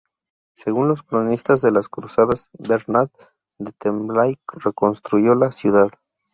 Según los cronistas de las cruzadas, Bernard de Tremblay reconstruyó la ciudad.